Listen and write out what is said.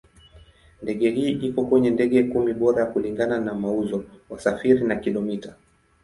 Ndege hii iko kwenye ndege kumi bora kulingana na mauzo, wasafiri na kilomita.